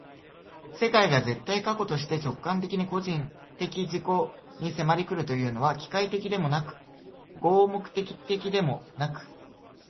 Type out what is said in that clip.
世界が絶対過去として直観的に個人的自己に迫り来るというのは、機械的にでもなく合目的的にでもなく、